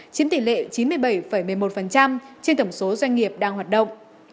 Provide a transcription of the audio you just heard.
chiếm tỷ lệ chín mươi bảy một mươi một trên tổng số doanh nghiệp đang hoạt động